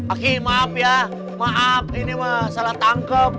aki maaf ya maaf ini mah salah tangkep